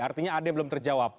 artinya ada yang belum terjawab